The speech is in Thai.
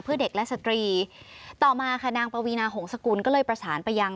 เพื่อเด็กและสตรีต่อมาค่ะนางปวีนาหงษกุลก็เลยประสานไปยัง